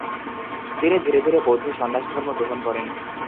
তিনি ধীরে ধীরে বৌদ্ধ সন্ন্যাস ধর্ম গ্রহণ করেন।